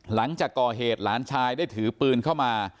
หลังจากก่อเหตุหลานชายได้ถือปืนเข้ามา